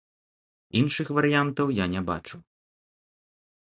Іншых варыянтаў я не бачу.